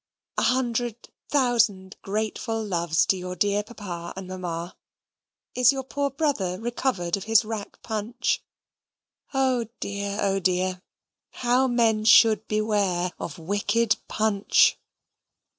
A hundred thousand grateful loves to your dear papa and mamma. Is your poor brother recovered of his rack punch? Oh, dear! Oh, dear! How men should beware of wicked punch!